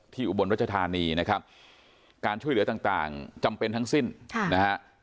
อุบลรัชธานีนะครับการช่วยเหลือต่างจำเป็นทั้งสิ้นนะฮะ